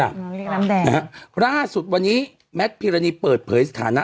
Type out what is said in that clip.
อืมเรียกน้ำแดงนะฮะล่าสุดวันนี้แมทพิรณีเปิดเผยสถานะ